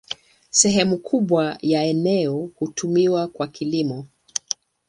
Sehemu kubwa ya eneo hutumiwa kwa kilimo.